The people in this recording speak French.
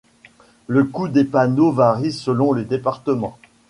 Le cout des panneaux varie selon le département.